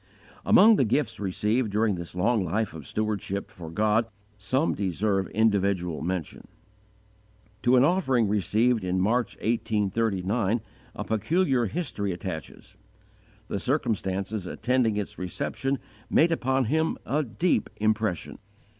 Among the gifts received during this long life of stewardship for God some deserve individual mention. To an offering received in March, 1839, a peculiar history attaches. The circumstances attending its reception made upon him a deep impression.